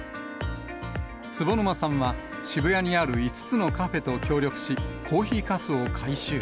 坪沼さんは、渋谷にある５つのカフェと協力し、コーヒーかすを回収。